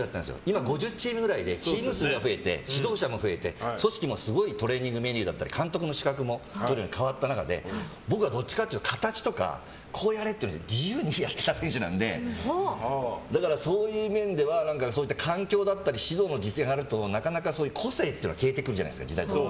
今５０チームぐらいでチーム数が増えて指導者も増えて組織もすごいトレーニングメニューだったり監督の資格も変わった中で僕はどっちかというと形とかじゃなくて自由にやってた選手なんでだから、そういう面では環境だったり、指導があるとなかなか個性が消えてくるじゃないですか。